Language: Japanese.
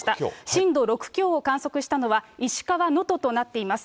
震度６強を観測したのは、石川・能登となっています。